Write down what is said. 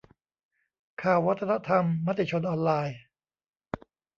ข่าววัฒนธรรม มติชนออนไลน์